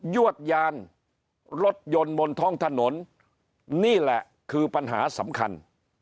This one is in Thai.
วดยานรถยนต์บนท้องถนนนี่แหละคือปัญหาสำคัญ